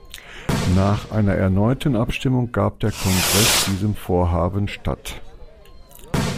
Nach einer erneuten Abstimmung gab der Kongress diesem Vorhaben statt.